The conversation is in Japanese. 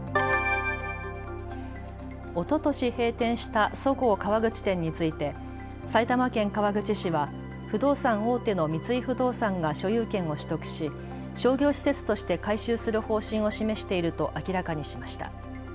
おととし閉店したそごう川口店について埼玉県川口市は不動産大手の三井不動産が所有権を取得し商業施設として改修する方針を示していると明らかにしました。